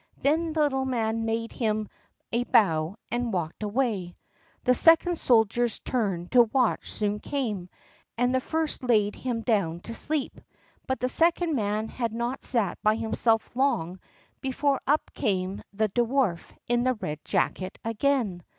Then the little man made him a bow and walked away. The second soldier's turn to watch soon came, and the first laid him down to sleep; but the second man had not sat by himself long before up came the dwarf in the red jacket again.